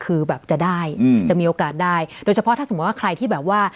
คือแบบจะได้อืมจะมีโอกาสได้โดยเฉพาะถ้าสมมุติว่าใครที่แบบว่า